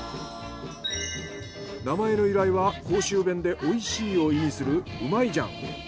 名前の由来は甲州弁で美味しいを意味するうまいじゃん。